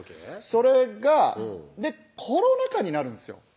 それがコロナ禍になるんですよ